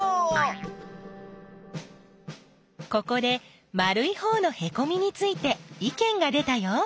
ここで丸いほうのへこみについていけんが出たよ。